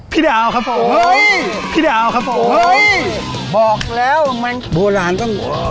พี่ดาวครับผมเฮ้ยพี่ดาวครับผมเฮ้ยบอกแล้วมันโบราณต้อง